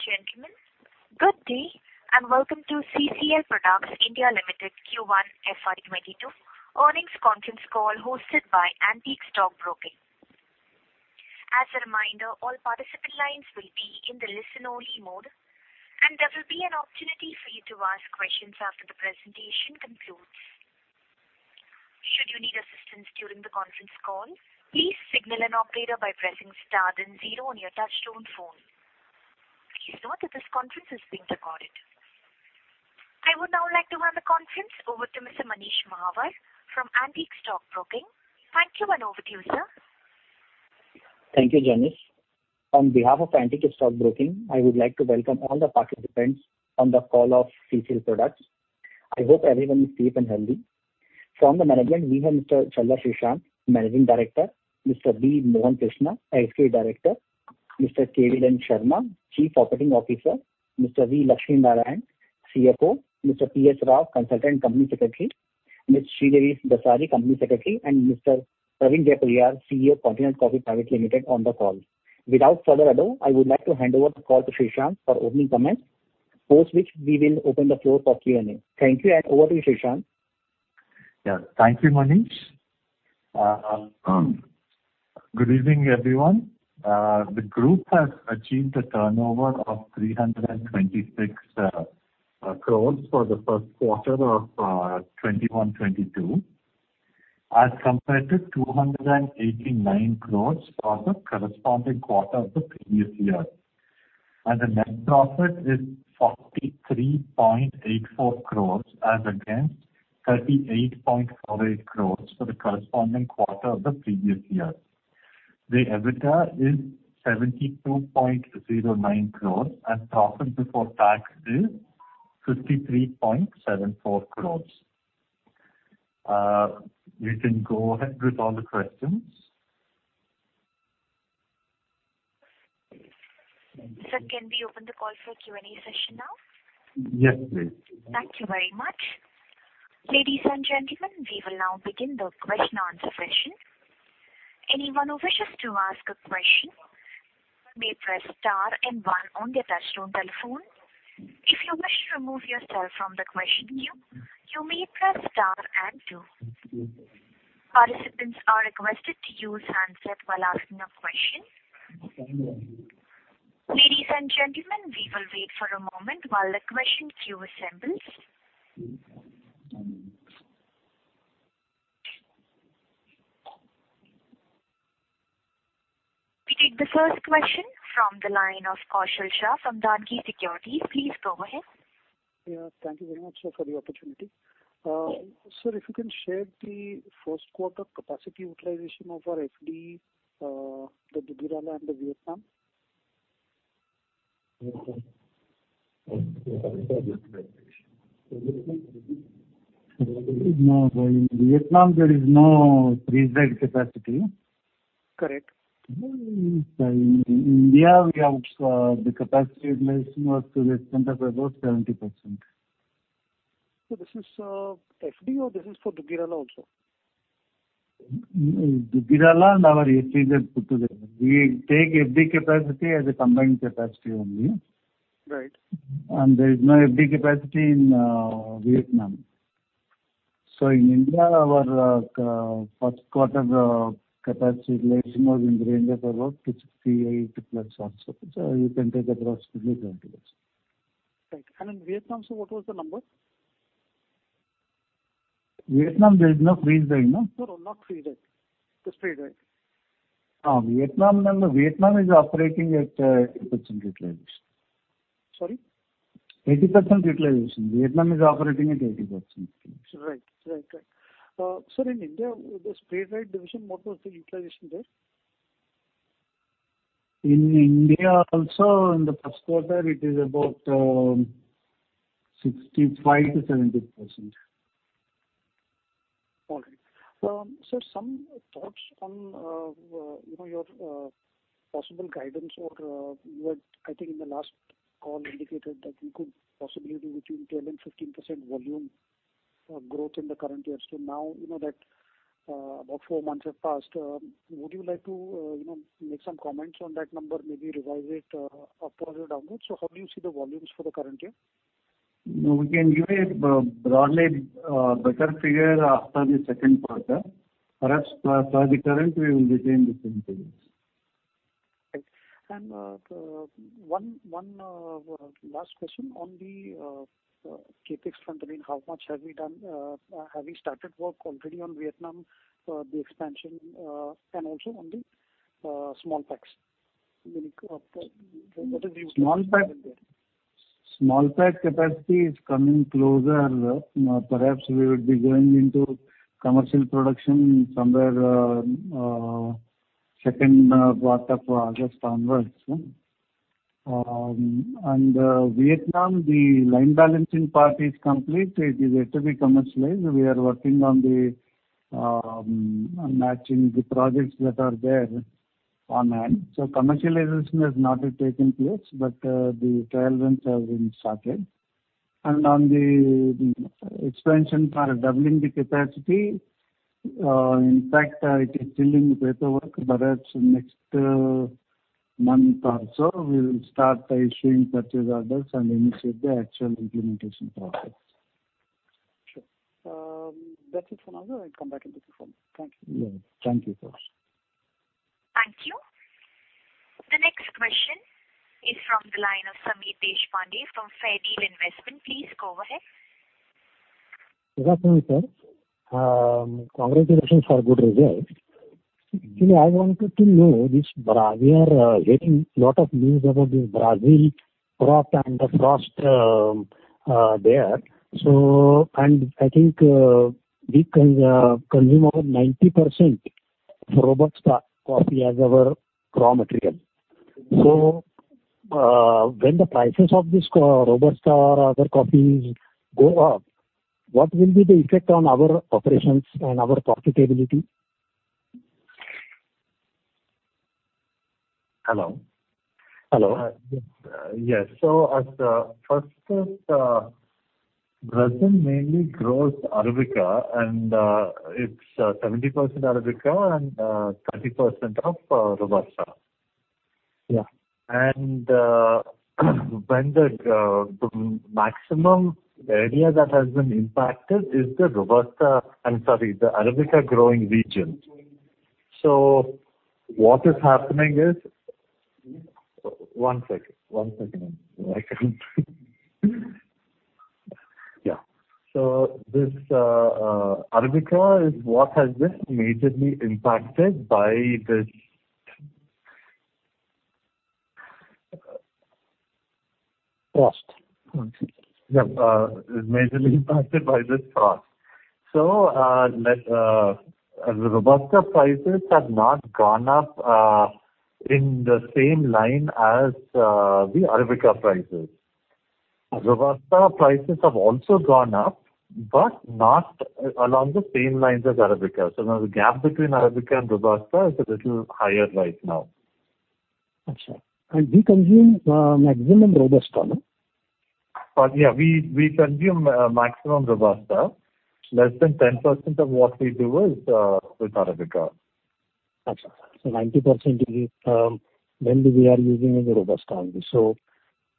Ladies and gentlemen, good day, and welcome to CCL Products (India) Limited Q1 FY2022 Earnings Conference Call hosted by Antique Stock Broking. I would now like to hand the conference over to Mr. Manish Mahawar from Antique Stock Broking. Thank you, and over to you, sir. Thank you, Janice. On behalf of Antique Stock Broking, I would like to welcome all the participants on the call of CCL Products. I hope everyone is safe and healthy. From the management, we have Mr. Challa Srishant, Managing Director, Mr. B. Mohan Krishna, Whole Time Director, Mr. K. V. L. N. Sarma, Chief Operating Officer, Mr. V. Lakshmi Narayana, CFO, Mr. P.S. Rao, Consultant Company Secretary, Ms. Sridevi Dasari, Company Secretary, and Mr. Praveen Jaipuriar, CEO, Continental Coffee Private Limited on the call. Without further ado, I would like to hand over the call to Srishant for opening comments, after which we will open the floor for Q&A. Thank you, over to you, Srishant. Yeah. Thank you, Manish. Good evening, everyone. The group has achieved a turnover of 326 crores for the first quarter of 2021/2022, as compared to 289 crores for the corresponding quarter of the previous year. The net profit is 43.84 crores as against 38.48 crores for the corresponding quarter of the previous year. The EBITDA is 72.09 crores, and profit before tax is 53.74 crores. We can go ahead with all the questions. Sir, can we open the call for Q&A session now? Yes, please. Thank you very much. Ladies and gentlemen, we will now begin the question and answer session. We take the first question from the line of Kaushal Shah from Dhanki Securities. Please go ahead. Thank you very much, sir, for the opportunity. Sir, if you can share the first quarter capacity utilization of our FD, the Duggirala and the Vietnam. No. In Vietnam, there is no freeze-dried capacity. In India, we have the capacity utilization was in the center of about 70%. This is FD or this is for Duggirala also? Duggirala and our FD put together. We take FD capacity as a combined capacity only. There is no FD capacity in Vietnam. In India, our first quarter capacity utilization was in the range of about 68%+ or so. You can take approximately 70%. Right. In Vietnam, sir, what was the number? Vietnam, there is no freeze-drying. No, not freeze-dried. Just spray-dried. Vietnam is operating at 80% utilization. Right. Sir, in India, the spray-dried division, what was the utilization there? In India also, in the first quarter, it is about 65%-70%. All right. Sir, some thoughts on your possible guidance or you had, I think, in the last call indicated that we could possibly be between 12% and 15% volume growth in the current year. Now that about four months have passed, would you like to make some comments on that number, maybe revise it upwards or downwards? How do you see the volumes for the current year? No. We can give a broadly better figure after the second quarter. Perhaps for the current, we will retain the same figure. Right. One last question on the CapEx front, I mean, how much have we done? Have we started work already on Vietnam for the expansion and also on the small packs? What is the update there? Small pack capacity is coming closer. Perhaps we would be going into commercial production somewhere second part of August onwards. Vietnam, the line balancing part is complete. It is yet to be commercialized. We are working on matching the projects that are there on hand. Commercialization has not yet taken place, but the trial runs have been started. On the expansion part, doubling the capacity, in fact, it is still in paperwork, but next month or so, we will start issuing purchase orders and initiate the actual implementation process. Sure. That's it for now. I'll come back if there's anything. Thank you. Yes. Thank you, sir. Thank you. The next question is from the line of Sameer Deshpande from Fairdeal Investments. Please go ahead. Good afternoon, sir. Congratulations for good results. Actually, I wanted to know, we are getting lot of news about this Brazil crop and the frost there. I think we consume over 90% of Robusta coffee as our raw material. When the prices of this Robusta, other coffees go up, what will be the effect on our operations and our profitability? Hello. Hello. Yes. First, Brazil mainly grows Arabica, and it's 70% Arabica and 30% of Robusta. The maximum area that has been impacted is the Arabica growing region. What is happening is this Arabica coffee has been majorly impacted by frost. The Robusta prices have not gone up in the same line as the Arabica prices. Robusta prices have also gone up, but not along the same lines as Arabica. Now the gap between Arabica and Robusta is a little higher right now. I see. We consume maximum Robusta? Yeah, we consume maximum Robusta. Less than 10% of what we do is with Arabica. I see. 90% is, mainly we are using the Robusta only.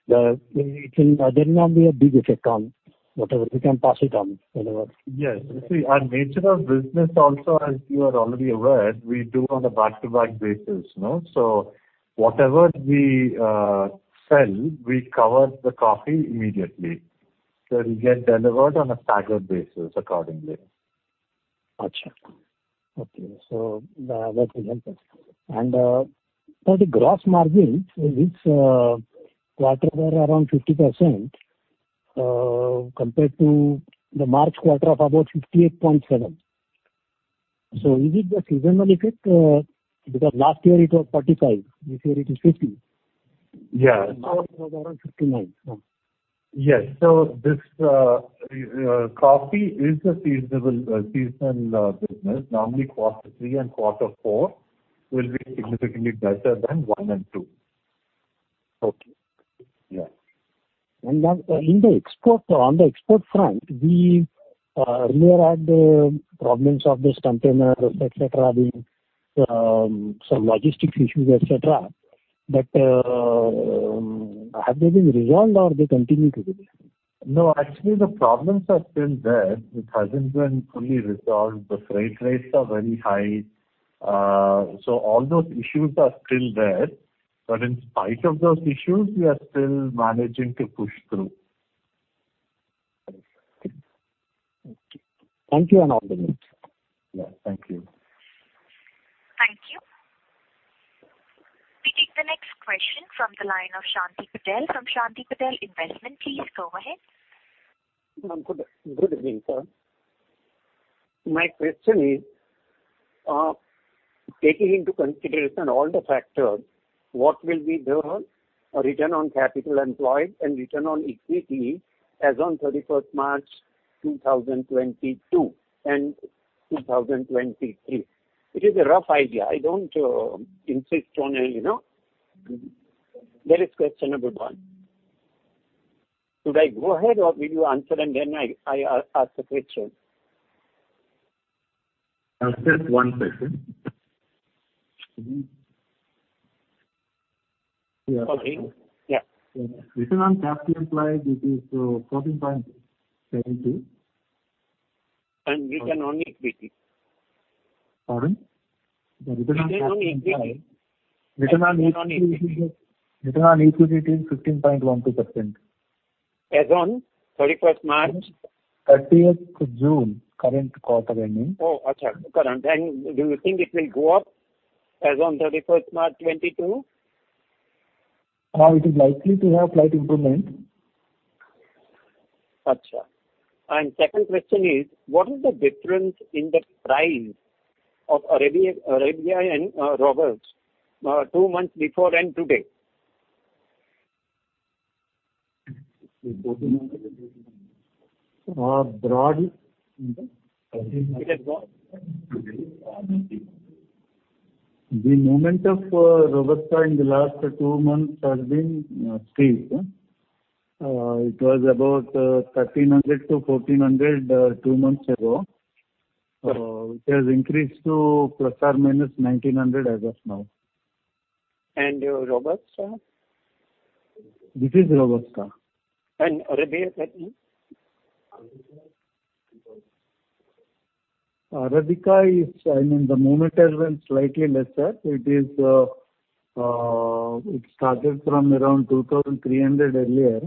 There may not be a big effect on whatever. We can pass it on. Yes. You see, our nature of business also, as you are already aware, we do on a back-to-back basis. Whatever we sell, we cover the coffee immediately. We get delivered on a staggered basis accordingly. I see. Okay. That will help us. For the gross margins, in this quarter were around 50% compared to the March quarter of about 58.7%. Is it the seasonal effect? Because last year it was 45%, this year it is 50%. Yeah. Now it is around 59. Yes. This coffee is a seasonal business. Normally, quarter three and quarter four will be significantly better than one and two. On the export front, we earlier had problems of this container, et cetera, some logistics issues, et cetera. Have they been resolved or they continue to be there? Actually, the problems are still there. It hasn't been fully resolved. The freight rates are very high. All those issues are still there. In spite of those issues, we are still managing to push through. Okay. Thank you and all the best. Yeah. Thank you. Thank you. We take the next question from the line of Shanti Patel from Shanti Patel Investment. Please go ahead. Good evening, sir. My question is, taking into consideration all the factors, what will be the return on capital employed and return on equity as on 31st March 2022 and 2023? It is a rough idea. I don't insist on it. That is question number one. Should I go ahead or will you answer and then I ask the question? Just one question. Sorry. Yeah. Return on capital employed, it is 14.72%. Return on equity? Pardon? The return on capital employed Return on equity. Return on equity is 15.12%. As on 31st March? 30th June, current quarter ending. Oh, I see. Current. Do you think it will go up as on 31st March 2022? It is likely to have slight improvement. I see. Second question is, what is the difference in the price of Arabica and Robusta two months before and today? The movement of Robusta in the last two months has been steep. It was about 1,300-1,400 two months ago. It has increased to ±1,900 as of now. Your Robusta? This is Robusta. Arabica? Arabica, the movement has been slightly lesser. It started from around 2,300 earlier.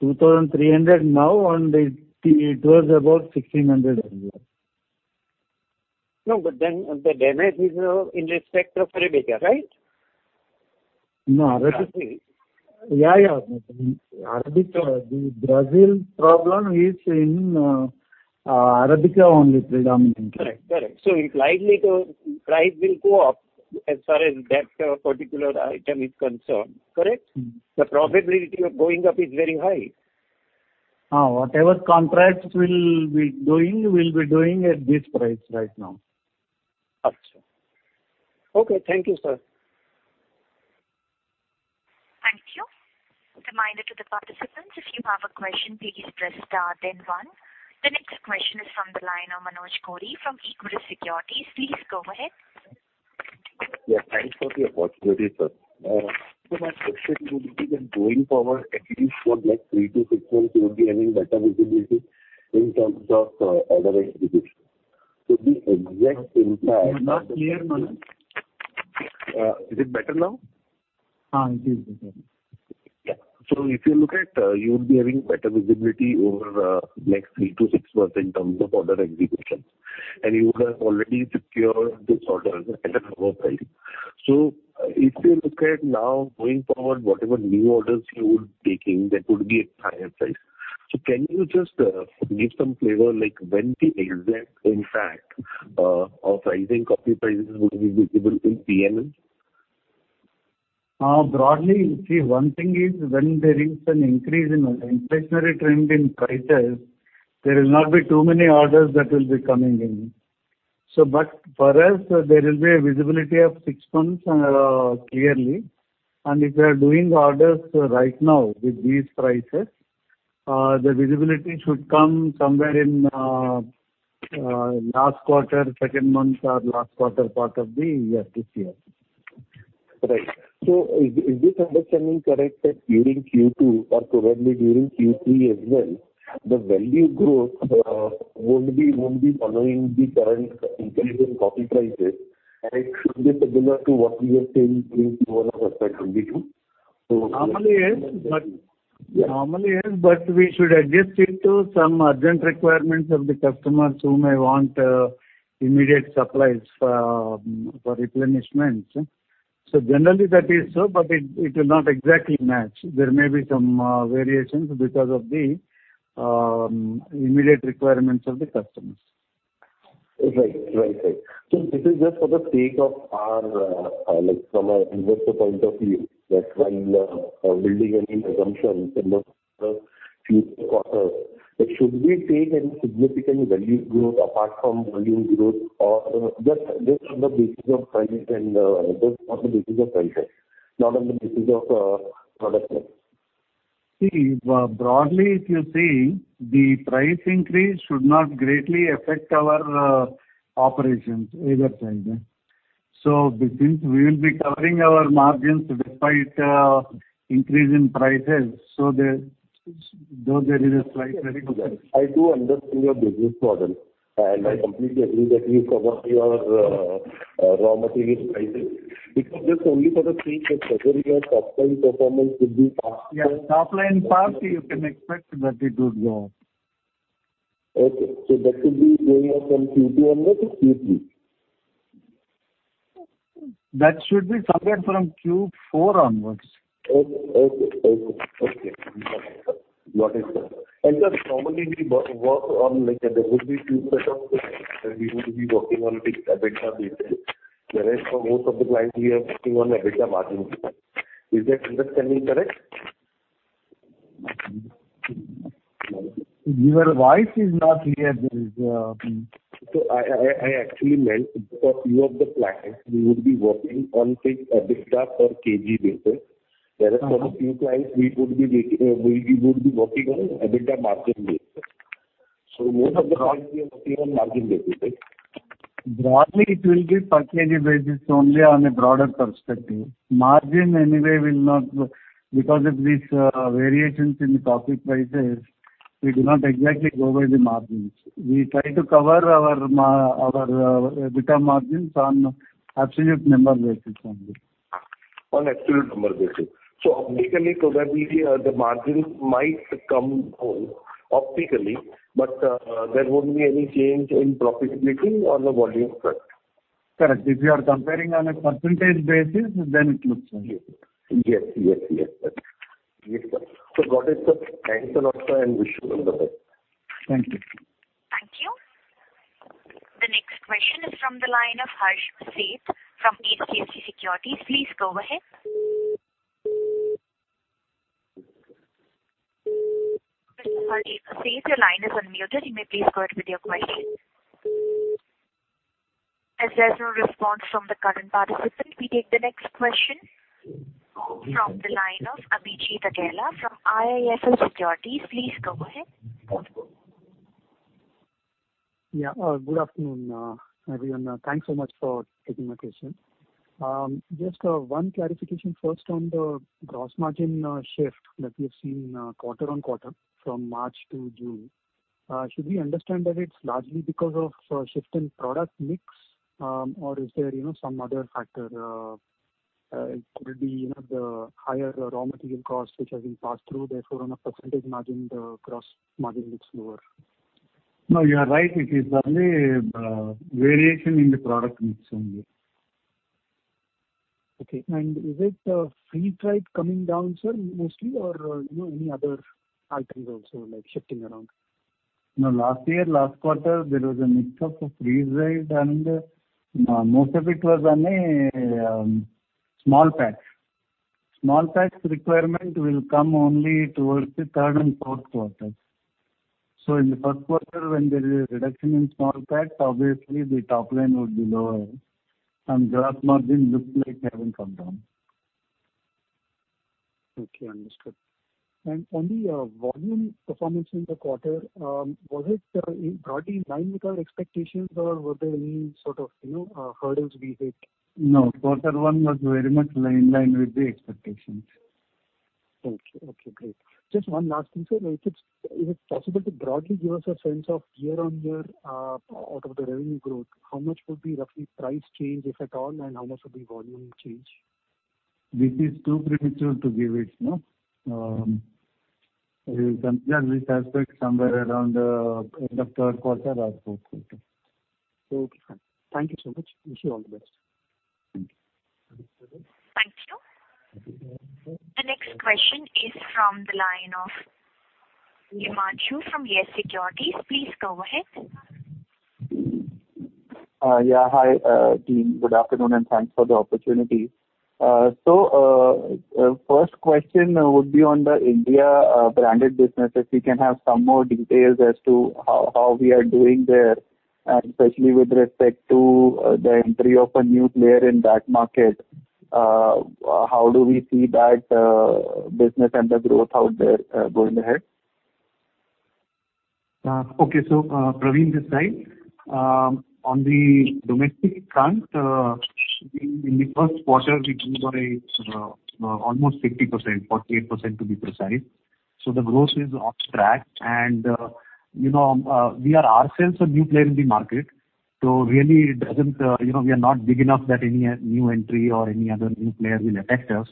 2,300 now, and it was about 1,600 earlier. No, the damage is in respect of Arabica, right? No. Arabica? Yeah. The Brazil problem is in Arabica only predominantly. Correct. It's likely the price will go up as far as that particular item is concerned. Correct? The probability of going up is very high. Whatever contracts we'll be doing, we'll be doing at this price right now. Okay. Thank you, sir. Thank you. Reminder to the participants, if you have a question, please press star then one. The next question is from the line of Manoj Gori from Equirus Securities. Please go ahead. Yeah, thanks for the opportunity, sir. My question would be that going forward, at least for three to six months, you would be having better visibility in terms of order execution and you would have already secured these orders at a lower price. If you look at now, going forward, whatever new orders you would be taking, that would be at higher price. Can you just give some flavor, like when the exact impact of rising coffee prices would be visible in P&L? Broadly, one thing is when there is an increase in inflationary trend in prices, there will not be too many orders that will be coming in. For us, there will be a visibility of six months clearly. If we are doing orders right now with these prices, the visibility should come somewhere in last quarter, second month or last quarter part of this year. Is this understanding correct that during Q2 or probably during Q3 as well, the value growth won't be following the current increase in coffee prices, and it should be similar to what we were saying during Q1 of fiscal 2022. Normally, yes, we should adjust it to some urgent requirements of the customers who may want immediate supplies for replenishment. Generally, that is so, it will not exactly match. There may be some variations because of the immediate requirements of the customers. Right. This is just for the sake of our investor point of view. That while building any assumptions in those future quarters, should we take any significant value growth apart from volume growth or just on the basis of prices, not on the basis of product mix? Broadly, if you see, the price increase should not greatly affect our operations either side. Since we will be covering our margins despite increase in prices, so though there is a slight variation- I do understand your business model, and I completely agree that you cover your raw material prices. It was just only for the sake of whether your top-line performance would be faster. Yes, top-line part, you can expect that it would go up. Okay. That should be going on from Q2 onwards to Q3. That should be somewhere from Q4 onwards. Okay. Got it, sir. Just normally we work on, like there would be two sets of books that we would be working on, say, EBITDA basis, whereas for most of the clients we are working on EBITDA margin basis. Is that understanding correct? Your voice is not clear. I actually meant for few of the clients we would be working on, say, EBITDA per kg basis, whereas for a few clients we would be working on EBITDA margin basis. Most of the clients we are working on margin basis. Broadly, it will be percentage basis only on a broader perspective. Because of these variations in the coffee prices, we do not exactly go by the margins. We try to cover our EBITDA margins on absolute number basis only. On absolute number basis. Optically, probably, the margin might come home optically, but there won't be any change in profitability or the volume front. Correct. If you are comparing on a percentage basis, then it looks like it. Yes, sir. Got it, sir. Thanks a lot, sir, and wish you all the best. Thank you. Thank you. The next question is from the line of Harsh Sheth from HDFC Securities. Please go ahead. Mr. Sheth, I see that your line is unmuted. You may please go ahead with your question. As there is no response from the current participant, we take the next question from the line of Abhijit Akella from IIFL Securities. Please go ahead. Good afternoon, everyone. Thanks so much for taking my question. Just one clarification first on the gross margin shift that we've seen quarter-on-quarter from March to June. Should we understand that it's largely because of shift in product mix? Is there some other factor? Could it be the higher raw material cost which has been passed through, therefore on a percentage margin, the gross margin looks lower? No, you are right. It is only variation in the product mix only. Okay. Is it freeze-dried coming down, sir, mostly, or any other items also shifting around? Last year, last quarter, there was a mix of freeze-dried, and most of it was only small packs. Small packs requirement will come only towards the third and fourth quarter. In the first quarter, when there is a reduction in small packs, obviously the top line would be lower and gross margin looks like it will come down. Okay, understood. On the volume performance in the quarter, was it broadly in line with our expectations or were there any sort of hurdles we hit? No, quarter one was very much in line with the expectations. Thank you. Okay, great. Just one last thing, sir. Is it possible to broadly give us a sense of year-over-year out of the revenue growth, how much would be roughly price change, if at all, and how much would be volume change? This is too premature to give it now. We will compare this aspect somewhere around end of third quarter or fourth quarter. Okay, fine. Thank you so much. Wish you all the best. Thank you. Thank you. The next question is from the line of Himanshu from YES Securities. Please go ahead. Hi, team. Good afternoon, and thanks for the opportunity. First question would be on the India branded business, if we can have some more details as to how we are doing there, and especially with respect to the entry of a new player in that market. How do we see that business and the growth out there going ahead? On the domestic front, in the first quarter, we grew by almost 50%, 48% to be precise. The growth is on track. We are ourselves a new player in the market. Really, we are not big enough that any new entry or any other new player will affect us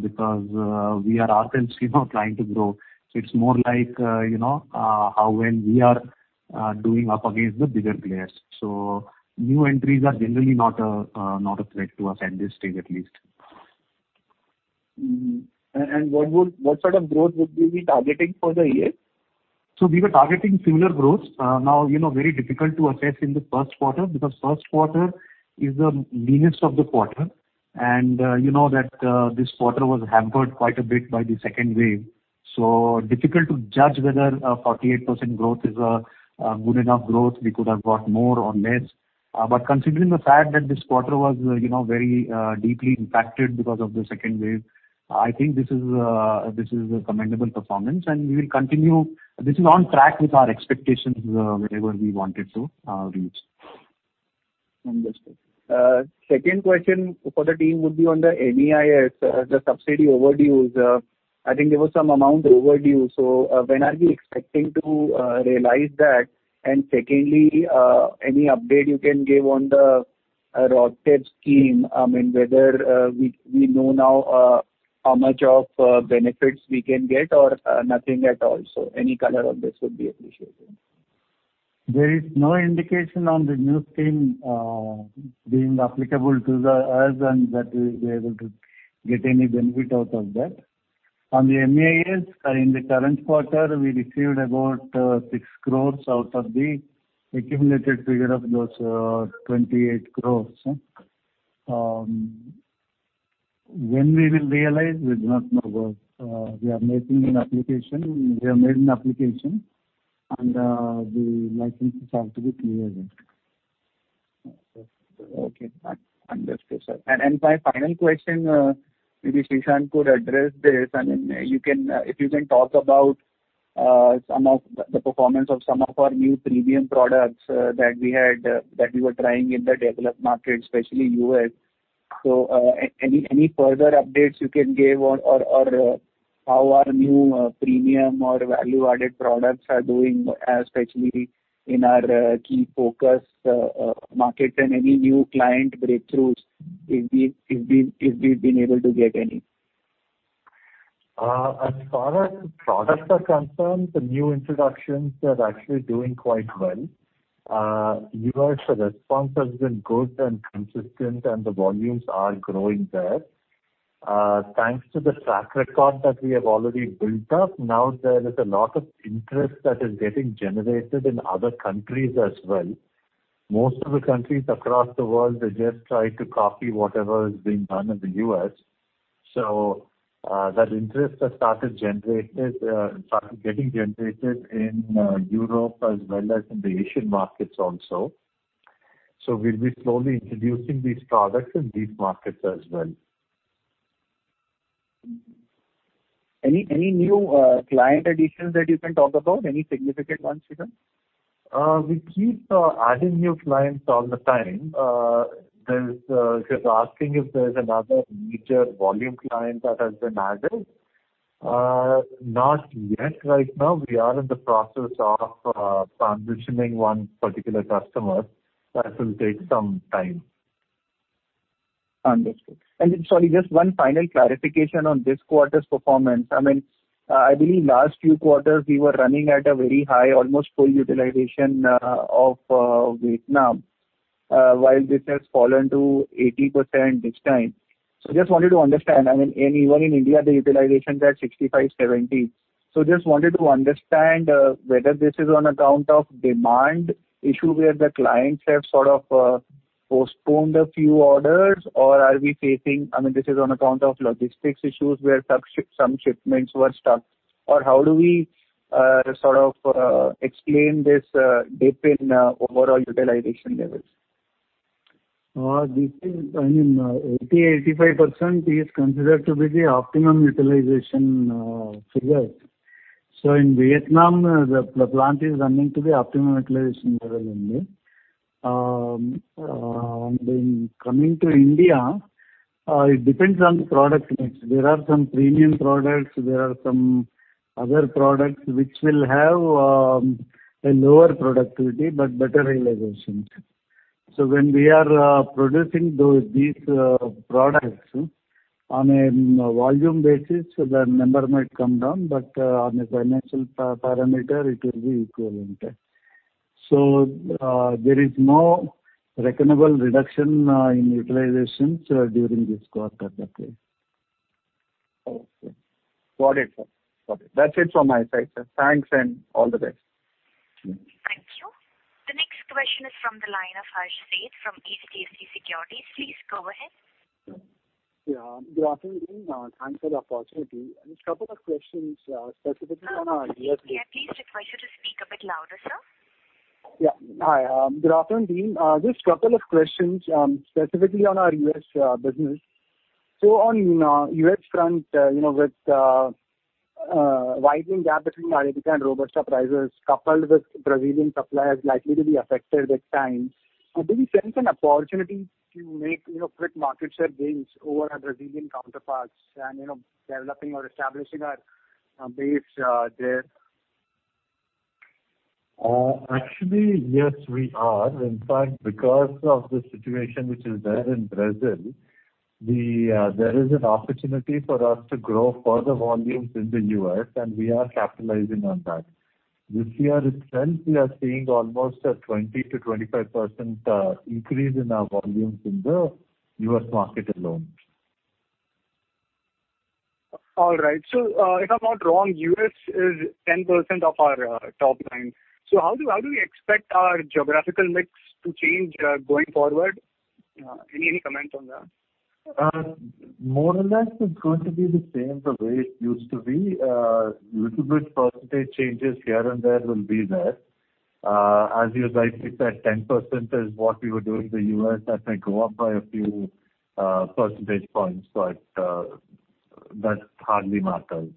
because we are ourselves trying to grow. New entries are generally not a threat to us at this stage, at least. What sort of growth would we be targeting for the year? We were targeting similar growth. Very difficult to assess in the first quarter because first quarter is the leanest of the quarter, and you know that this quarter was hampered quite a bit by the second wave. Difficult to judge whether a 48% growth is a good enough growth. We could have got more or less. Considering the fact that this quarter was very deeply impacted because of the second wave, I think this is a commendable performance, and we will continue. This is on track with our expectations wherever we wanted to reach. Understood. Second question for the team would be on the MEIS, the subsidy overdues. I think there was some amount overdue. When are we expecting to realize that? Secondly, any update you can give on the RoDTEP scheme, I mean, whether we know now how much of benefits we can get or nothing at all. Any color on this would be appreciated. There is no indication on the new scheme being applicable to us and that we will be able to get any benefit out of that. On the MEIS, in the current quarter, we received about 6 crores out of the accumulated figure of those 28 crores. When we will realize, we do not know. We are making an application. We have made an application, and the licenses have to be cleared. Okay. Understood, sir. My final question, maybe Srishant could address this. I mean, if you can talk about the performance of some of our new premium products that we were trying in the developed market, especially U.S. Any further updates you can give or how our new premium or value-added products are doing, especially in our key focus markets and any new client breakthroughs, if we've been able to get any? As far as products are concerned, the new introductions are actually doing quite well. U.S. response has been good and consistent, and the volumes are growing there. Thanks to the track record that we have already built up, now there is a lot of interest that is getting generated in other countries as well. Most of the countries across the world, they just try to copy whatever is being done in the U.S. That interest has started getting generated in Europe as well as in the Asian markets also. We'll be slowly introducing these products in these markets as well. Any new client additions that you can talk about? Any significant ones, even? We keep adding new clients all the time. You're asking if there's another major volume client that has been added. Not yet. Right now, we are in the process of transitioning one particular customer. That will take some time. Understood. Sorry, just one final clarification on this quarter's performance. I believe last few quarters, we were running at a very high, almost full utilization of Vietnam while this has fallen to 80% this time. Just wanted to understand, even in India, the utilization is at 65%-70%. Just wanted to understand whether this is on account of demand issue, where the clients have postponed a few orders, or this is on account of logistics issues where some shipments were stuck. How do we explain this dip in overall utilization levels? I mean, 80%, 85% is considered to be the optimum utilization figures. In Vietnam, the plant is running to the optimum utilization level only. Coming to India, it depends on the product mix. There are some premium products, there are some other products which will have a lower productivity but better realizations. When we are producing these products, on a volume basis, the number might come down, but on a financial parameter, it will be equivalent. There is no recognizable reduction in utilizations during this quarter, that way. Okay. Got it, sir. That's it from my side, sir. Thanks and all the best. Thank you. The next question is from the line of Harsh Sheth from HDFC Securities. Please go ahead. Good afternoon. Thanks for the opportunity. Just couple of questions, specifically on our U.S. business. On U.S. front with widening gap between Arabica and Robusta prices, coupled with Brazilian suppliers likely to be affected this time, do we sense an opportunity to make quick market share gains over our Brazilian counterparts and developing or establishing our base there? Actually, yes, we are. In fact, because of the situation which is there in Brazil, there is an opportunity for us to grow further volumes in the U.S., and we are capitalizing on that. This year itself, we are seeing almost a 20%-25% increase in our volumes in the U.S. market alone. All right. If I'm not wrong, U.S. is 10% of our top line. How do we expect our geographical mix to change going forward? Any comment on that? More or less, it's going to be the same the way it used to be. Little bit percentage changes here and there will be there. As you rightly said, 10% is what we were doing in the U.S. That may go up by a few percentage points, but that hardly matters.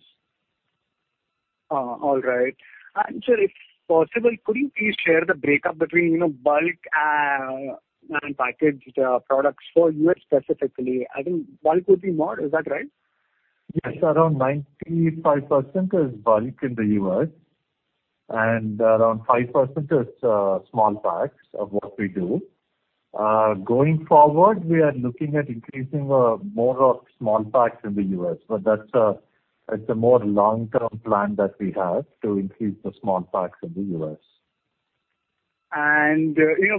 All right. Sir, if possible, could you please share the breakup between bulk and packaged products for U.S. specifically? I think bulk would be more. Is that right? Yes. Around 95% is bulk in the U.S., and around 5% is small packs of what we do. Going forward, we are looking at increasing more of small packs in the U.S. That's a more long-term plan that we have to increase the small packs in the U.S.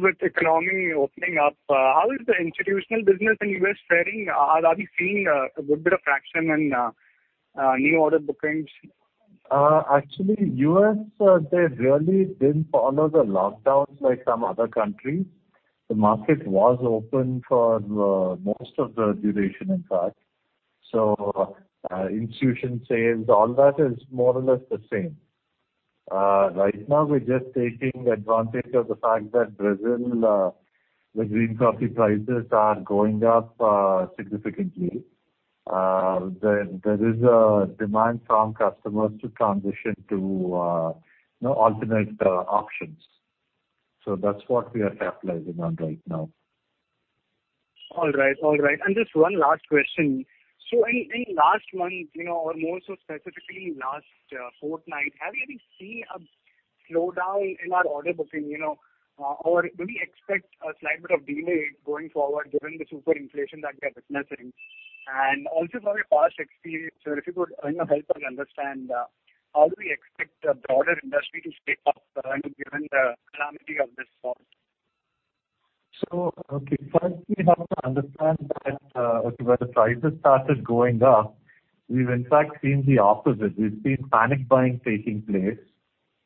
With economy opening up, how is the institutional business in U.S. faring? Are we seeing a good bit of traction in new order bookings? Actually, U.S., they really didn't follow the lockdowns like some other countries. The market was open for most of the duration, in fact. Institution sales, all that is more or less the same. Right now, we're just taking advantage of the fact that Brazil, the green coffee prices are going up significantly. There is a demand from customers to transition to alternate options. That's what we are capitalizing on right now. All right. Just one last question. In last month, or more so specifically last fortnight, have you seen a slowdown in our order booking? Do we expect a slight bit of delay going forward given the super inflation that we're witnessing? Also from a past experience, sir, if you could help us understand how do we expect the broader industry to shape up given the calamity of this sort? First, we have to understand that when the prices started going up, we've in fact seen the opposite. We've seen panic buying taking place,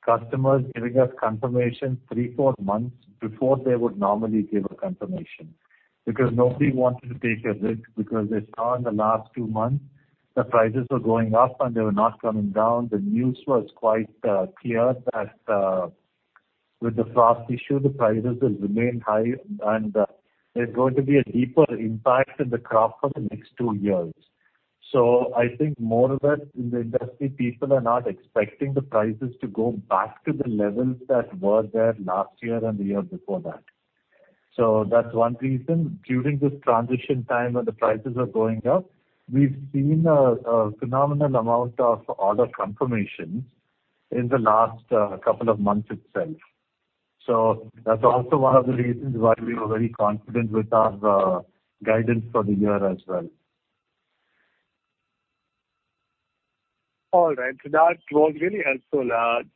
customers giving us confirmation three, four months before they would normally give a confirmation, because nobody wanted to take a risk. They saw in the last two months the prices were going up and they were not coming down. The news was quite clear that with the frost issue, the prices will remain high and there's going to be a deeper impact in the crop for the next two years. I think more or less in the industry, people are not expecting the prices to go back to the levels that were there last year and the year before that. That's one reason. During this transition time when the prices were going up, we've seen a phenomenal amount of order confirmations in the last couple of months itself. That's also one of the reasons why we were very confident with our guidance for the year as well. All right. That was really helpful.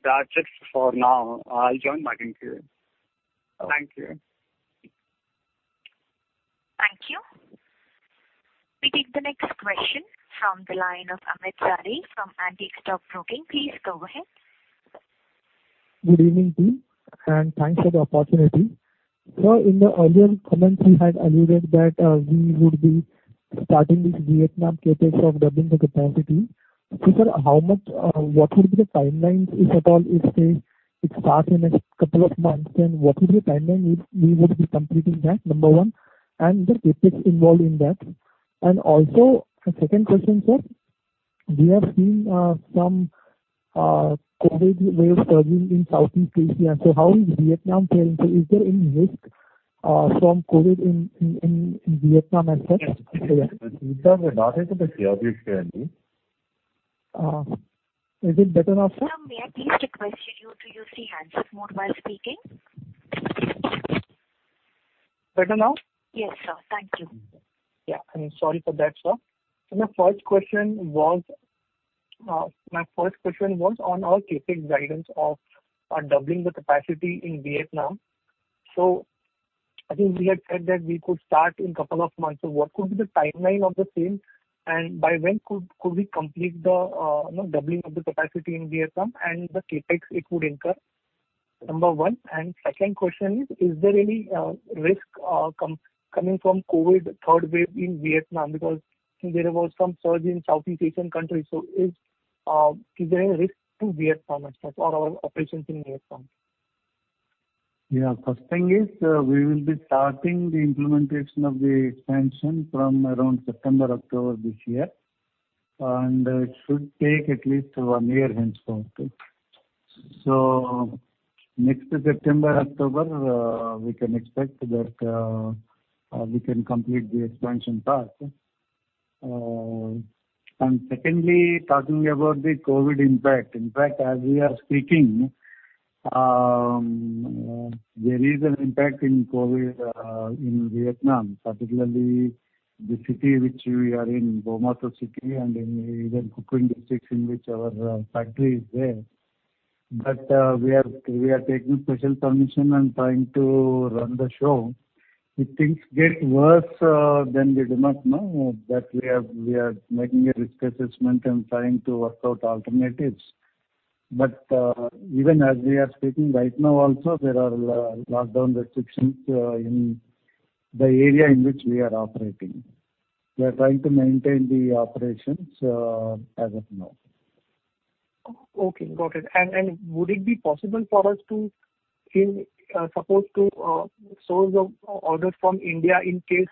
That's it for now. I'll join back in queue. Thank you. Thank you. We take the next question from the line of Amit Zade from Antique Stock Broking. Please go ahead. Good evening to you, and thanks for the opportunity. My first question was on our CapEx guidance of doubling the capacity in Vietnam. I think we had said that we could start in a couple of months. What could be the timeline of the same, and by when could we complete the doubling of the capacity in Vietnam and the CapEx it would incur? Number one. Second question is there any risk coming from COVID third wave in Vietnam? Because there was some surge in Southeast Asian countries. Is there a risk to Vietnam as such or our operations in Vietnam? First thing is, we will be starting the implementation of the expansion from around September, October this year, and it should take at least one year henceforth. Next September, October, we can expect that we can complete the expansion part. Secondly, talking about the COVID impact. In fact, as we are speaking there is an impact in COVID in Vietnam, particularly the city which we are in, Buon Ma Thuot City, and in even Cư Kuin District in which our factory is there. We are taking special permission and trying to run the show. If things get worse, we do not know. That we are making a risk assessment and trying to work out alternatives. Even as we are speaking right now also, there are lockdown restrictions in the area in which we are operating. We are trying to maintain the operations as of now. Okay, got it. Would it be possible for us to source orders from India in case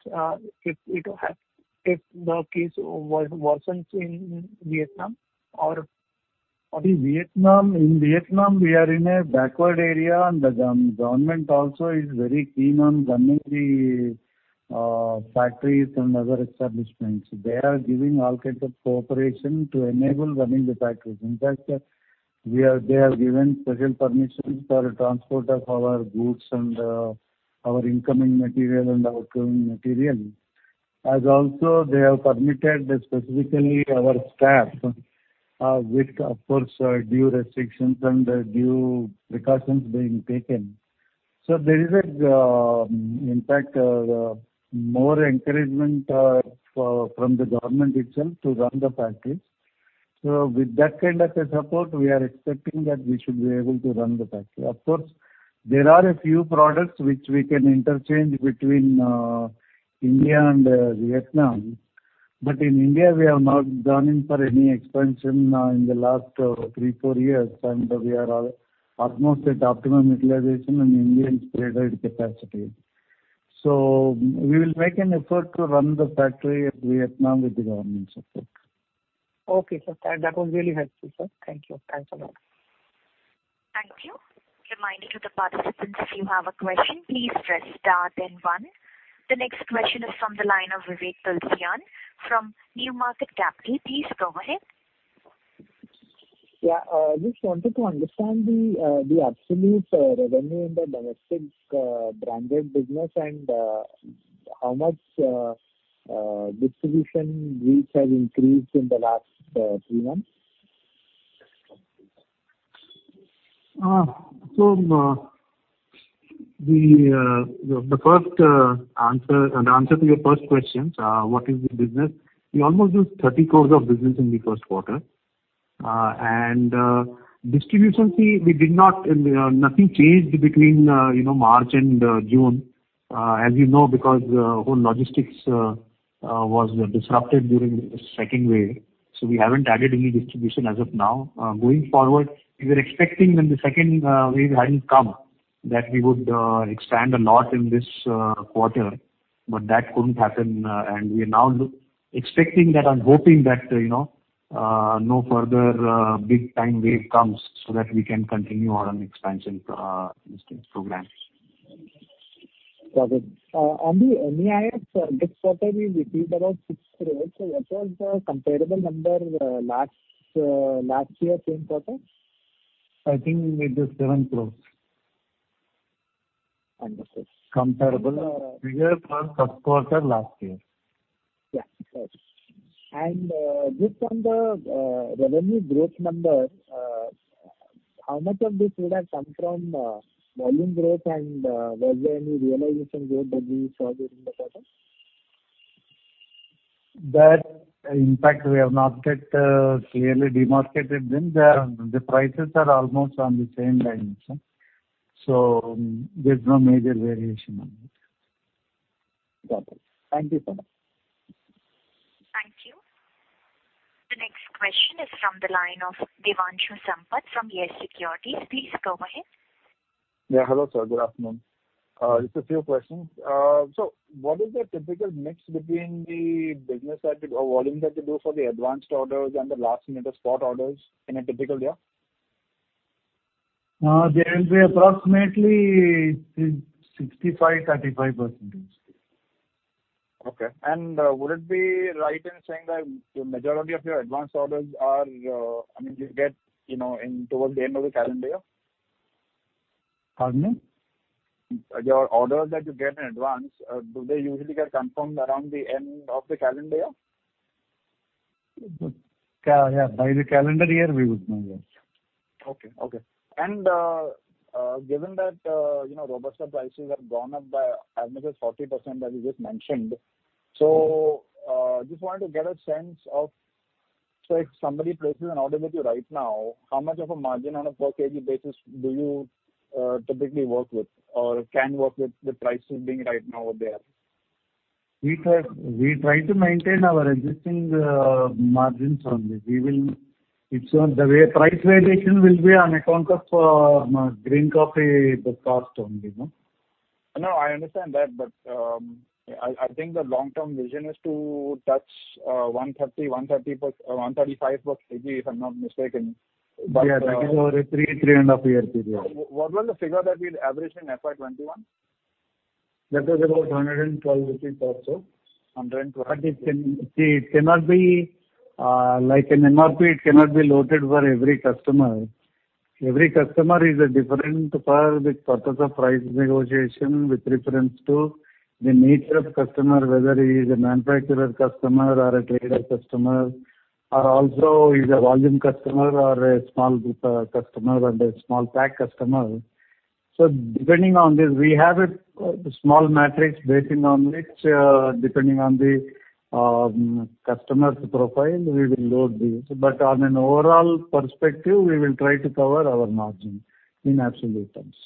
if the case worsens in Vietnam? In Vietnam, we are in a backward area, and the government also is very keen on running the factories and other establishments. They are giving all kinds of cooperation to enable running the factories. In fact, they have given special permissions for transport of our goods and our incoming material and outgoing material. As also they have permitted specifically our staff, with, of course, due restrictions and due precautions being taken. There is, in fact, more encouragement from the government itself to run the factories. With that kind of support, we are expecting that we should be able to run the factory. Of course, there are a few products which we can interchange between India and Vietnam. In India, we have not gone in for any expansion in the last three, four years, and we are almost at optimum utilization in Indian freeze-dried capacity. We will make an effort to run the factory at Vietnam with the government's support. Okay, sir. That was really helpful, sir. Thanks a lot. Thank you. Reminder to the participants, if you have a question, please press star then one. The next question is from the line of Vivek Tulsian from New Market Capital. Please go ahead. Just wanted to understand the absolute revenue in the domestic branded business and how much distribution reach has increased in the last three months. The answer to your first question, what is the business? We almost do 30 crores of business in the first quarter. Distribution, see, nothing changed between March and June. As you know, because whole logistics was disrupted during the second wave. We haven't added any distribution as of now. Going forward, we were expecting when the second wave hadn't come, that we would expand a lot in this quarter, but that couldn't happen, and we are now expecting that and hoping that no further big time wave comes so that we can continue our own expansion programs. Got it. On the MEIS this quarter we received about 6 crores. What was the comparable number last year, same quarter? I think it is 7 crores. Understood. Comparable figures for the first quarter last year. Yeah. Got it. Just on the revenue growth number, how much of this would have come from volume growth and was there any realization growth that we saw during the quarter? In fact, we have not yet clearly demarcated them. The prices are almost on the same lines. There's no major variation on it. Got it. Thank you so much. Thank you. The next question is from the line of Devanshu Sampat from YES Securities. Please go ahead. Yeah. Hello, sir. Good afternoon. Just a few questions. What is the typical mix between the business or volume that you do for the advanced orders and the last-minute spot orders in a typical year? There will be approximately 65%-35 %. Okay. Would it be right in saying that the majority of your advanced orders are, I mean, you get towards the end of the calendar year? Pardon me? Your orders that you get in advance, do they usually get confirmed around the end of the calendar year? Yeah. By the calendar year we would know that. Okay. Given that raw material prices have gone up by as much as 40%, as you just mentioned. Just wanted to get a sense of, if somebody places an order with you right now, how much of a margin on a per kilogram basis do you typically work with or can work with the prices being right now where they are? We try to maintain our existing margins only. The price variation will be on account of green coffee, the cost only. No, I understand that, but I think the long-term vision is to touch 130-135 per kilogram, if I'm not mistaken. Yeah, that is over a three and a half year period. What was the figure that we had averaged in FY2021? That was about 112 rupees also. See, like an MRP, it cannot be loaded for every customer. Every customer is different for the purpose of price negotiation with reference to the nature of customer, whether he is a manufacturer customer or a trader customer, or also is a volume customer or a small group customer and a small pack customer. Depending on this, we have a small matrix based on which, depending on the customer's profile, we will load these. On an overall perspective, we will try to cover our margin in absolute terms.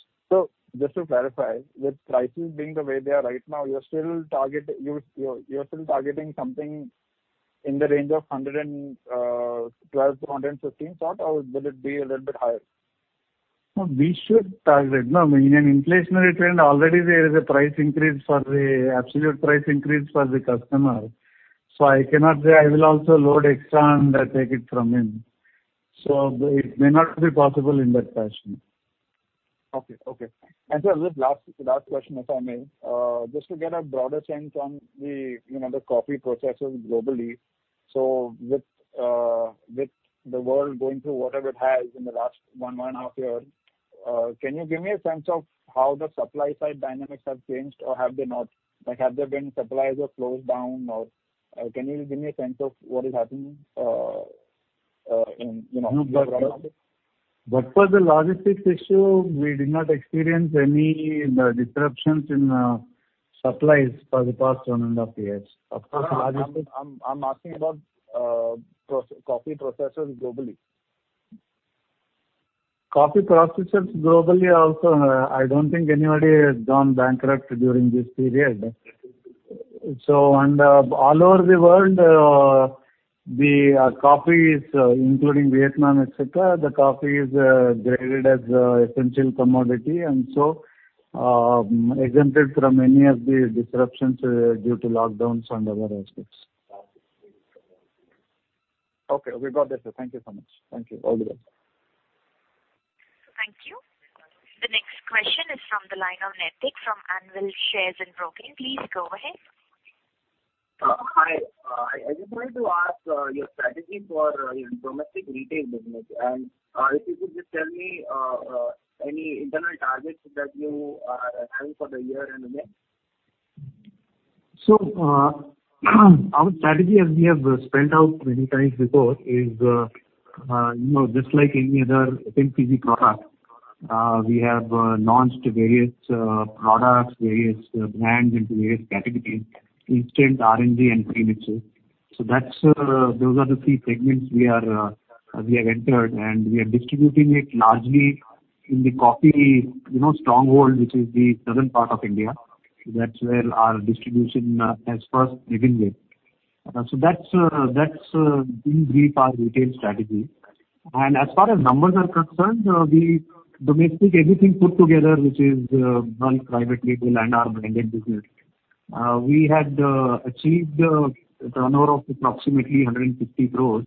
Just to clarify, with prices being the way they are right now, you're still targeting something in the range of 112-115, or will it be a little bit higher? No, we should target. No, in an inflationary trend already there is a price increase for the absolute price increase for the customer. I cannot say I will also load extra and take it from him. It may not be possible in that fashion. Okay. Sir, just last question, if I may. Just to get a broader sense on the coffee processors globally. With the world going through whatever it has in the last one and a half years, can you give me a sense of how the supply side dynamics have changed, or have they not? Have there been suppliers or closed down, or can you give me a sense of what is happening in the ground? For the logistics issue, we did not experience any disruptions in supplies for the past one and a half years. I'm asking about coffee processors globally. Coffee processors globally, I don't think anybody has gone bankrupt during this period. All over the world, the coffee is, including Vietnam, et cetera, the coffee is graded as essential commodity and exempted from any of the disruptions due to lockdowns and other aspects. Okay. We got that, sir. Thank you so much. Thank you. All the best. Thank you. The next question is from the line of Naitik from OHM Group. Please go ahead. Hi. I just wanted to ask your strategy for your domestic retail business, and if you could just tell me any internal targets that you are having for the year in advance? Our strategy, as we have spelled out many times before, is just like any other FMCG product, we have launched various products, various brands into various categories, instant, R&G and premixes. Those are the three segments we have entered, and we are distributing it largely in the coffee stronghold, which is the southern part of India. That's where our distribution has first begun with. That's in brief our retail strategy. As far as numbers are concerned, we domestic everything put together, which is done private label and our branded business. We had achieved a turnover of approximately 150 crores.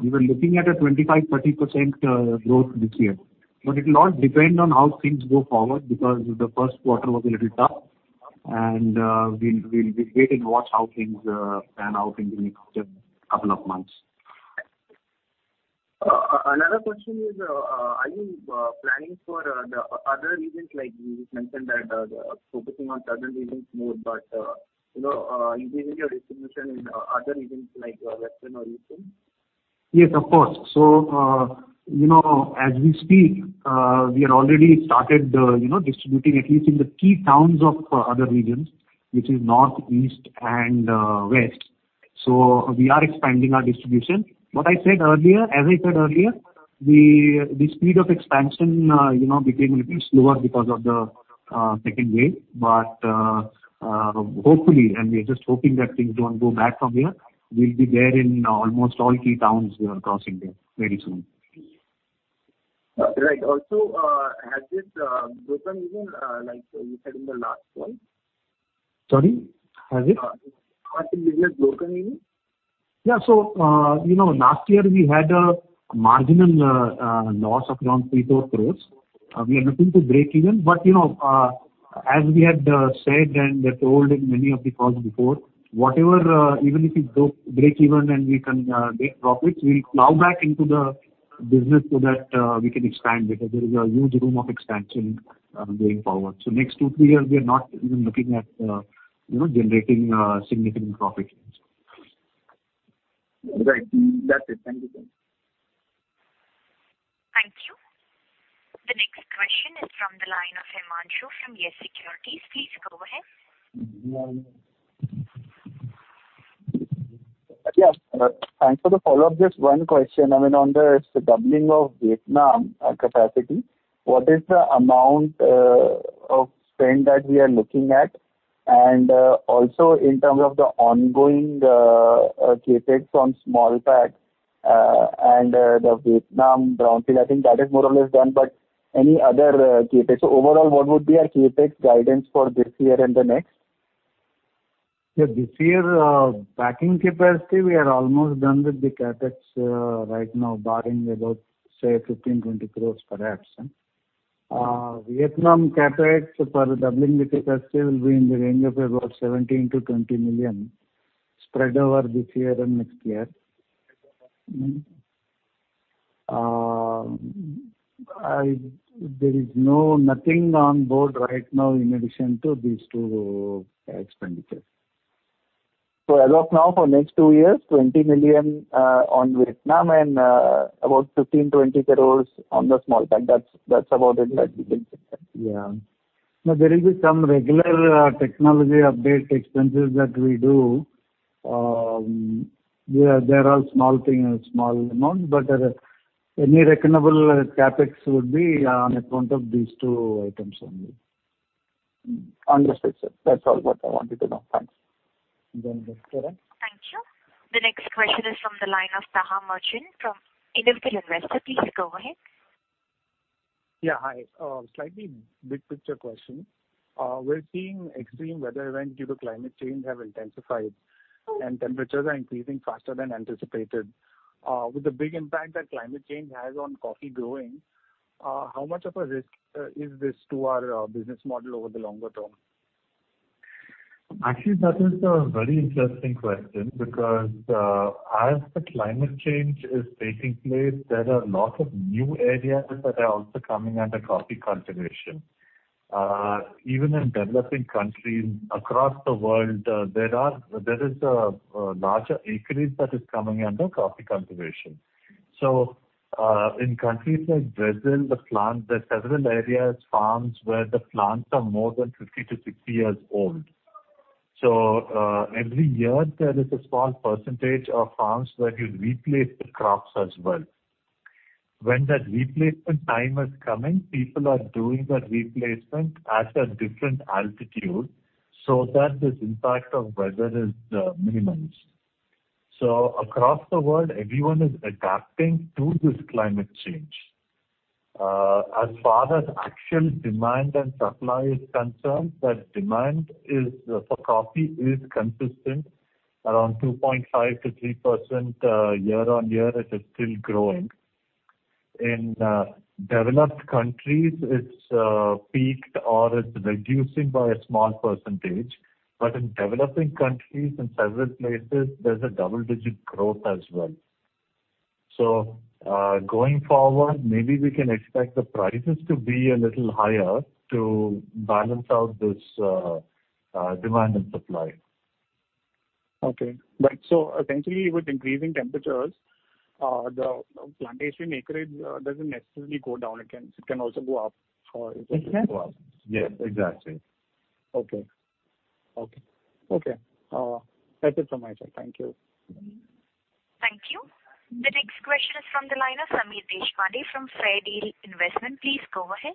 We were looking at a 25%-30% growth this year. It will all depend on how things go forward, because the first quarter was a little tough, and we'll wait and watch how things pan out in the next couple of months. Another question is, are you planning for the other regions? Like you just mentioned that focusing on southern regions more, but is there any distribution in other regions like western or eastern? Yes, of course. As we speak, we have already started distributing at least in the key towns of other regions, which is north, east and west. We are expanding our distribution. As I said earlier, the speed of expansion became a little slower because of the second wave. Hopefully, and we are just hoping that things don't go back from here. We'll be there in almost all key towns here across India very soon. Right. Also, has it broken even, like you said in the last one? Sorry, has it? Have you broken even? Yeah. Last year we had a marginal loss of around 3 crores, 4 crores. We are looking to break even. As we had said and told in many of the calls before, even if we break even and we can make profits, we'll plow back into the business so that we can expand, because there is a huge room of expansion going forward. Next two, three years, we are not even looking at generating significant profits. Right. That's it. Thank you, sir. Thank you. The next question is from the line of Himanshu from YES Securities. Please go ahead. Thanks for the follow-up. Just one question. On the doubling of Vietnam capacity, what is the amount of spend that we are looking at? Also in terms of the ongoing CapEx on small packs and the Vietnam brownfield, I think that is more or less done. Any other CapEx? Overall, what would be our CapEx guidance for this year and the next? This year, packing capacity, we are almost done with the CapEx right now, barring about 15 crore-20 crore perhaps. Vietnam CapEx for doubling the capacity will be in the range of about $17 million-$20 million spread over this year and next year. There is nothing on board right now in addition to these two expenditures. As of now, for next two years, $20 million on Vietnam and about INR 15 crores-INR 20 crores on the small pack. That's about it. Yeah. There will be some regular technology update expenses that we do. They are all small amounts, but any reckonable CapEx would be on account of these two items only. Understood, sir. That is all what I wanted to know. Thanks. Thank you, sir. Thank you. The next question is from the line of Taha Merchant, an Individual Investor. Please go ahead. Yeah. Hi. Slightly big picture question. We're seeing extreme weather events due to climate change have intensified, and temperatures are increasing faster than anticipated. With the big impact that climate change has on coffee growing, how much of a risk is this to our business model over the longer term? Actually, that is a very interesting question because as the climate change is taking place, there are lots of new areas that are also coming under coffee cultivation. Even in developing countries across the world, there is a larger acreage that is coming under coffee cultivation. In countries like Brazil, there are several areas, farms where the plants are more than 50-60 years old. Every year there is a small percentage of farms that you replace the crops as well. When that replacement time is coming, people are doing that replacement at a different altitude so that this impact of weather is minimized. Across the world, everyone is adapting to this climate change. As far as actual demand and supply is concerned, that demand for coffee is consistent around 2.5%-3% year on year. It is still growing. In developed countries, it's peaked or it's reducing by a small percentage. In developing countries, in several places, there's a double-digit growth as well. Going forward, maybe we can expect the prices to be a little higher to balance out this demand and supply. Okay. Right. Essentially, with increasing temperatures, the plantation acreage doesn't necessarily go down. It can go up. Yes, exactly. Okay. That's it from my side. Thank you. Thank you. The next question is from the line of Sameer Deshpande from Fairdeal Investments. Please go ahead.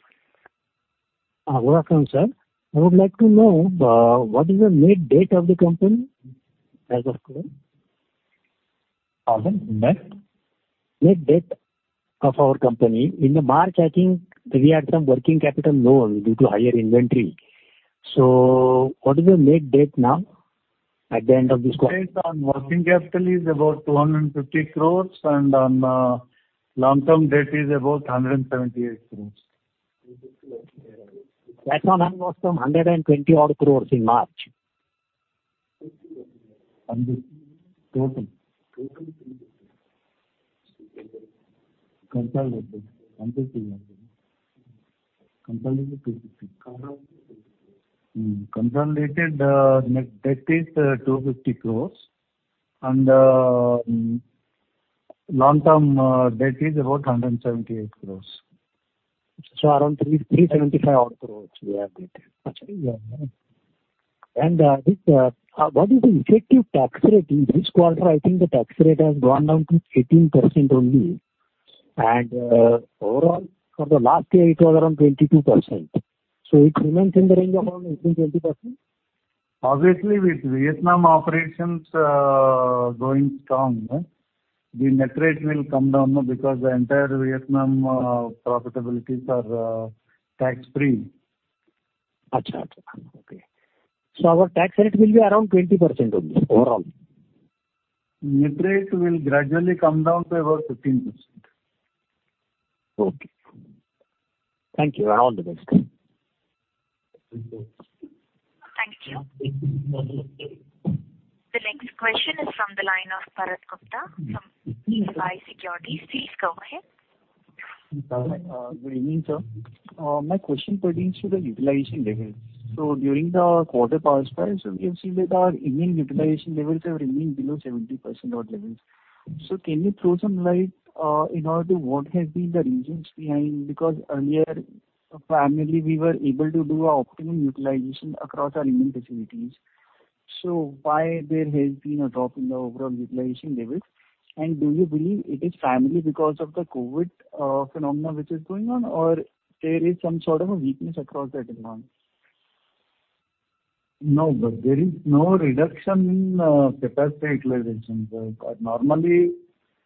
Good afternoon, sir. I would like to know what is the net debt of the company as of quarter? Pardon. Net? Net debt of our company. In March, I think we had some working capital loan due to higher inventory. What is the net debt now at the end of this quarter? Net debt on working capital is about 250 crores, and on long-term debt is about 178 crores. That's on an almost 120 odd crores in March. Total. Consolidated INR 250. Consolidated INR 250. Consolidated net debt is 250 crore, and long-term debt is about 178 crore. Around 375 odd crores we have debt. Actually, yeah. What is the effective tax rate? In this quarter, I think the tax rate has gone down to 18% only. Overall for the last year it was around 22%. It remains in the range of around 18%-20%? Obviously, with Vietnam operations going strong, the net rate will come down, because the entire Vietnam profitabilities are tax-free. Okay. Our tax rate will be around 20% only overall. Net rate will gradually come down to about 15%. Okay. Thank you, and all the best. Thank you. The next question is from the line of Bharat Gupta from Edelweiss Securities. Please go ahead. Good evening, sir. My question pertains to the utilization levels. During the quarter past, sir, we have seen that our Indian utilization levels are remaining below 70% odd levels. Can you throw some light in order what has been the reasons behind, because earlier, primarily, we were able to do our optimum utilization across our Indian facilities. Why there has been a drop in the overall utilization levels, and do you believe it is primarily because of the COVID phenomena which is going on, or there is some sort of a weakness across the demand? No, there is no reduction in capacity utilization. Normally,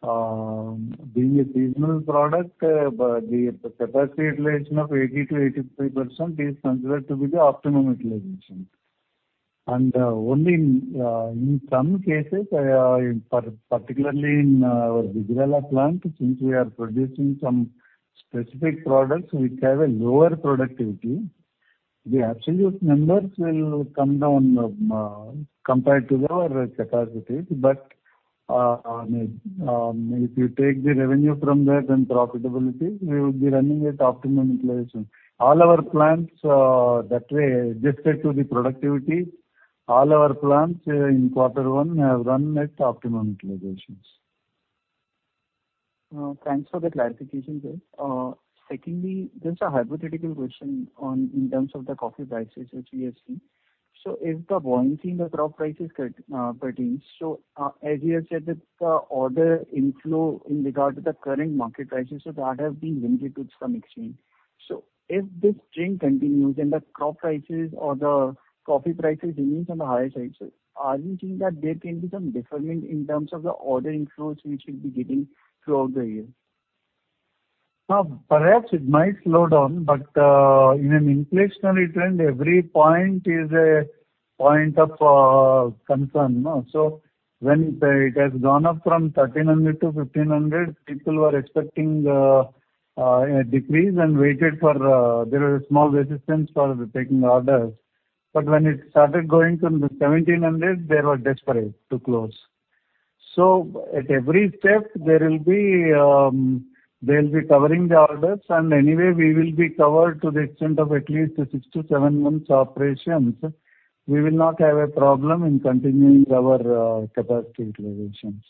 being a seasonal product, the capacity utilization of 80%-83% is considered to be the optimum utilization. Only in some cases, particularly in our Vijayawada plant, since we are producing some specific products which have a lower productivity, the absolute numbers will come down compared to our capacities. If you take the revenue from that and profitability, we would be running at optimum utilization. All our plants that were adjusted to the productivity, all our plants in quarter 1 have run at optimum utilizations. Thanks for the clarification, sir. A hypothetical question in terms of the coffee prices which we have seen. If the buoyancy in the crop prices pertains, so as you have said that the order inflow in regard to the current market prices, that has been linked to some extent. If this trend continues and the crop prices or the coffee prices remains on the higher sides, do you think that there can be some deferment in terms of the order inflows which you'll be getting throughout the year? Perhaps it might slow down, but in an inflationary trend, every point is a point of concern. When it has gone up from 1,300 to 1,500, people were expecting a decrease and waited. There was small resistance for taking orders. When it started going to 1,700, they were desperate to close. At every step, they'll be covering the orders, and anyway, we will be covered to the extent of at least six to seven months operations. We will not have a problem in continuing our capacity utilizations.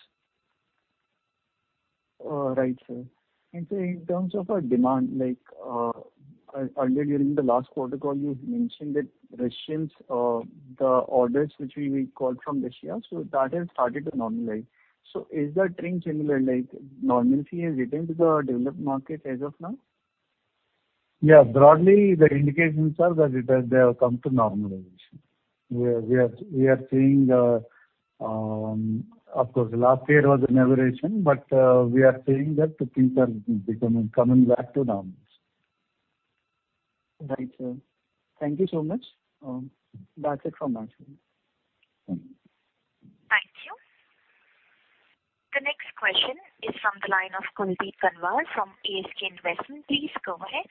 Sir, in terms of demand, earlier during the last quarter call you mentioned that Russians, the orders which we got from Russia, that has started to normalize. Is the trend similar, like normalcy has returned to the developed market as of now? Yeah. Broadly, the indications are that they have come to normalization. We are seeing, of course, last year was an aberration, but we are seeing that things are coming back to normal. Right, sir. Thank you so much. That's it from my side. Thank you. Thank you. The next question is from the line of Kuldeep Gangwar from ASK Investment. Please go ahead.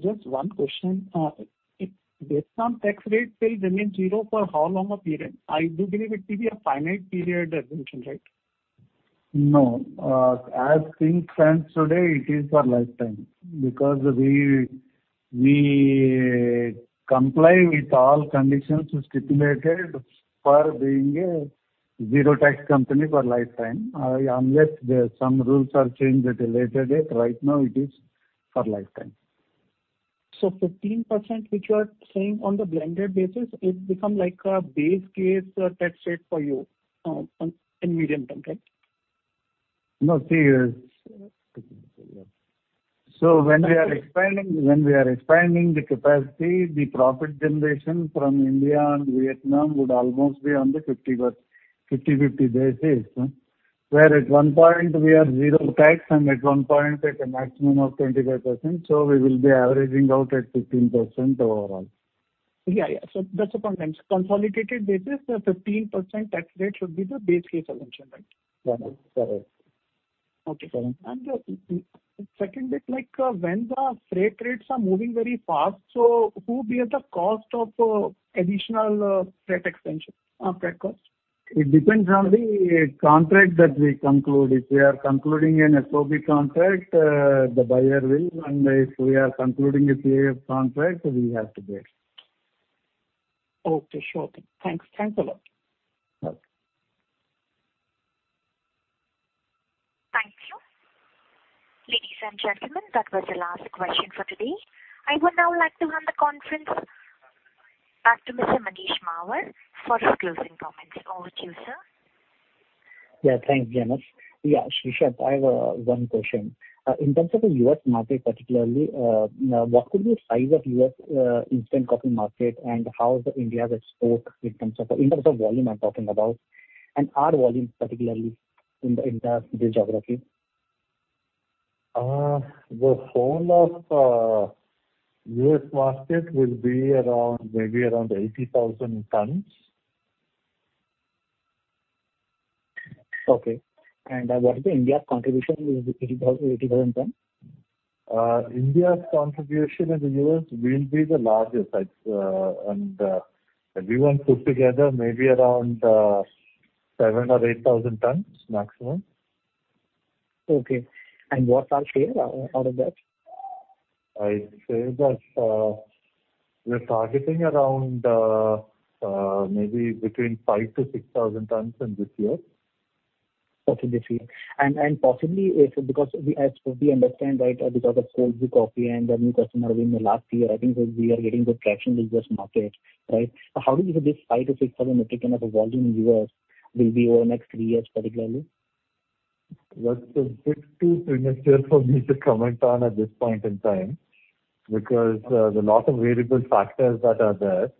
Just one question. If Vietnam tax rate will remain zero for how long a period? I do believe it will be a finite period assumption, right? No. As things stand today, it is for lifetime because we comply with all conditions stipulated for being a zero tax company for lifetime. Unless some rules are changed at a later date. Right now, it is for lifetime. 15%, which you are saying on the blended basis, it become like a base case tax rate for you in medium term, right? No. When we are expanding the capacity, the profit generation from India and Vietnam would almost be on the 50/50 basis. Where at one point we have zero tax and at one point at a maximum of 25%, so we will be averaging out at 15% overall. Yeah. That's a consolidated basis, the 15% tax rate should be the base case assumption, right? Yeah, that's correct. The second bit, when the freight rates are moving very fast, who bear the cost of additional freight extension, freight cost? It depends on the contract that we conclude. If we are concluding an FOB contract, the buyer will, and if we are concluding a CIF contract, we have to bear it. Okay, sure thing. Thanks a lot. Welcome. Thank you. Ladies and gentlemen, that was the last question for today. I would now like to hand the conference back to Mr. Manish Mahawar for his closing comments. Over to you, sir. Yeah, thanks Janice. Yeah, Srishant, I have one question. In terms of the U.S. market particularly, what could be the size of U.S. instant coffee market and how is India's export in terms of volume I'm talking about, and our volume particularly in the entire geography? The whole of U.S. market will be maybe around 80,000 tons. Okay. What is India's contribution in the 80,000 ton? India's contribution in the U.S. will be the largest, and everyone put together maybe around 7 or 8,000 tons maximum. Okay. What's our share out of that? I'd say that we're targeting around maybe between 5-6,000 tons in this year. Okay. Possibly, because as we understand, because of cold brew coffee and the new customer we won last year, I think we are getting good traction in this market, right? How do you see this 5 metric ton-6,000 metric ton of volume in U.S. will be over the next three years, particularly? That's a bit too premature for me to comment on at this point in time because there are a lot of variable factors that are there.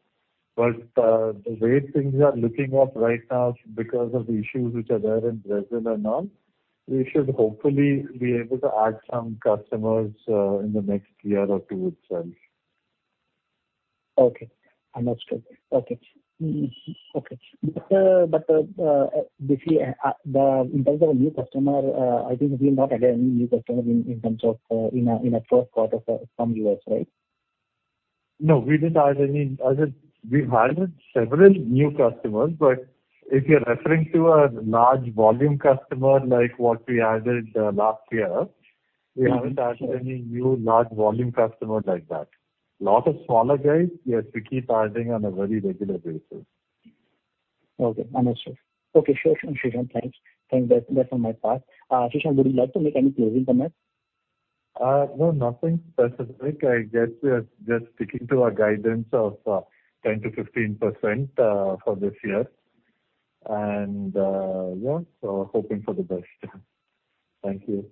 The way things are looking up right now because of the issues which are there in Brazil and all, we should hopefully be able to add some customers in the next year or two itself. Okay. Understood. Okay. In terms of a new customer, I think we'll not add any new customers in a first quarter from U.S., right? No, we didn't add any. We've added several new customers, but if you're referring to a large volume customer like what we added last year, we haven't added any new large volume customer like that. Lot of smaller guys, yes, we keep adding on a very regular basis. Okay. Understood. Okay, sure Srishant, thanks. That's all from my part. Srishant, would you like to make any closing comments? No, nothing specific. I guess we are just sticking to our guidance of 10%-15% for this year. Yeah, hoping for the best. Thank you.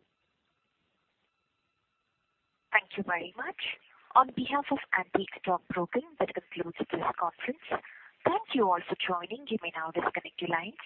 Thank you very much. On behalf of Antique Stock Broking, that concludes this conference. Thank you all for joining. You may now disconnect your lines.